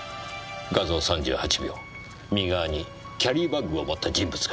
画像３８秒右側にキャリーバッグを持った人物がいます。